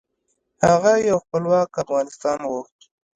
هغه یو خپلواک افغانستان غوښت .